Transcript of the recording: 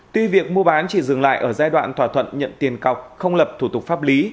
tuy việc mua bán chỉ dừng lại ở giai đoạn thỏa thuận nhận tiền cọc không lập thủ tục pháp lý